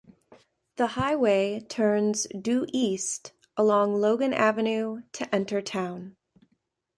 The highway turns due east along Logan Avenue to enter town.